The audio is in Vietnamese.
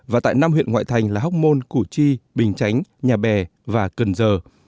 và tại năm huyện ngoại thành là hóc môn củ chi bình chánh nhà bè và cần giờ